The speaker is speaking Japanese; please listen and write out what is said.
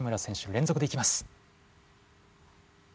連続でいきます。